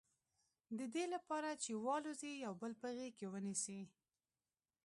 د دې لپاره چې والوزي یو بل په غېږ کې ونیسي.